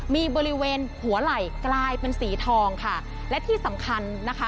มีบริเวณหัวไหล่กลายเป็นสีทองค่ะและที่สำคัญนะคะ